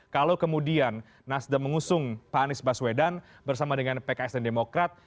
kalau kemudian nasdem mengusung pak anies baswedan bersama dengan pks dan demokrat